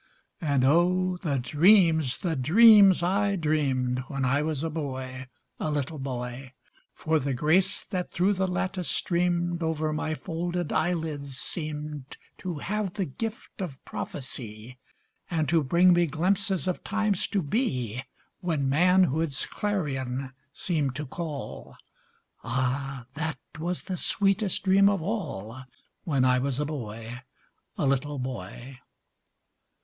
And, oh! the dreams Ś the dreams I dreamed! When I was a boy, a little boy! For the grace that through the lattice streamed Over my folded eyelids seemed To have the gift of prophecy, And to bring me glimpses of times to be When manhood's clarion seemed to call Ś Ah! that was the sweetest dream of all, When I was a boy, a little boy!